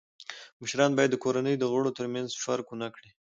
مشران باید د کورنۍ د غړو تر منځ فرق و نه کړي.